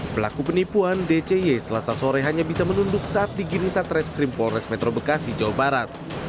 pelaku penipuan dcy selasa sore hanya bisa menunduk saat digini satreskrim polres metro bekasi jawa barat